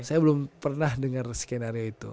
saya belum pernah dengar skenario itu